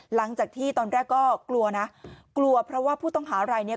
หลังจากที่ตอนแรกก็กลัวนะกลัวเพราะว่าผู้ต้องหารายเนี้ย